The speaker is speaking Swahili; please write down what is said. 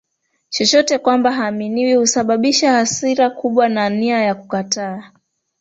chochote kwamba haaminiwi husababisha hasira mbaya na nia ya kukataa